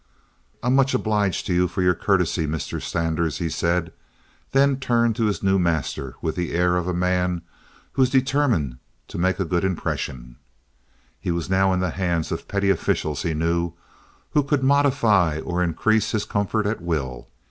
"I'm much obliged to you for your courtesy, Mr. Zanders," he said, then turned to his new master with the air of a man who is determined to make a good impression. He was now in the hands of petty officials, he knew, who could modify or increase his comfort at will.